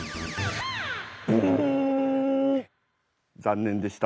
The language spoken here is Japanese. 残念でした。